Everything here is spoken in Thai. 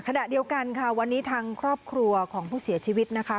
ขณะเดียวกันค่ะวันนี้ทางครอบครัวของผู้เสียชีวิตนะคะ